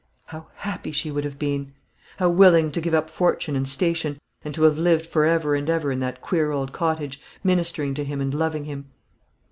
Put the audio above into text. How happy she would have been! How willing to give up fortune and station, and to have lived for ever and ever in that queer old cottage, ministering to him and loving him!